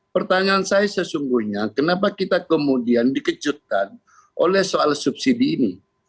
pertanyaan saya sesungguhnya kenapa kita kemudian dikejutkan oleh soal subsidi ini